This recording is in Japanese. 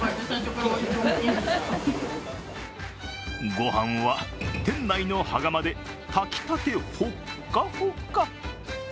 ご飯は店内の羽釜で炊きたてほっかほか。